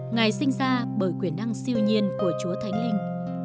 ngày sinh ra bởi quyền năng siêu nhiên của chúa thánh linh